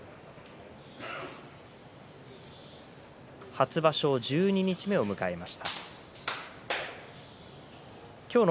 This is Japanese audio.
初場所、十二日目を迎えました。